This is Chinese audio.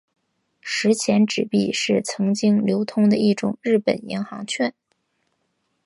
十钱纸币是曾经流通的一种日本银行券。